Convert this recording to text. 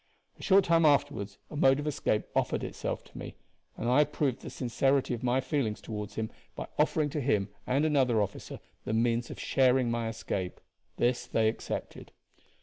A short time afterward a mode of escape offered itself to me, and I proved the sincerity of my feelings toward him by offering to him and another officer the means of sharing my escape. This they accepted.